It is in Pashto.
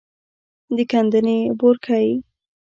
د ګندنې بورګی،